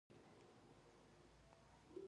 پي ایچ متر د مایعاتو تیزابیت او القلیت اندازه کوي.